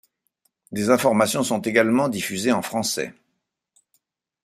Des informations sont également diffusées en français.